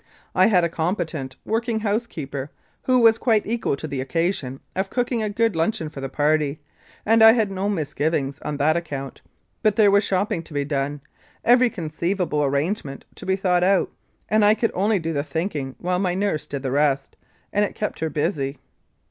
I had a competent working housekeeper, who was quite equal to the occasion of cooking a good luncheon for the party, and I had no misgivings on that account, but there was shopping to be done, every con ceivable arrangement to be thought out, and I could only do the thinking while my nurse did the rest, and it kept her busy.